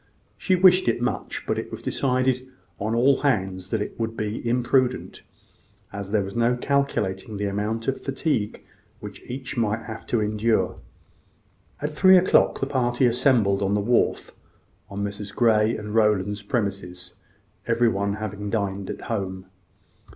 She wished it much; but it was decided on all hands that it would be imprudent, as there was no calculating the amount of fatigue which each might have to incur. At three o'clock the party assembled on the wharf on Messrs. Grey and Rowland's premises, everyone having dined at home.